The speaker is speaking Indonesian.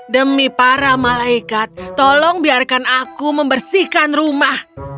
demi para malaikat tolong biarkan aku membersihkan rumah